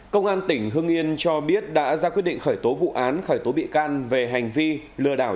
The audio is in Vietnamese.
công an tỉnh hưng yên cho biết đã ra quyết định khởi tố vụ án khởi tố bị can về hành vi lừa đảo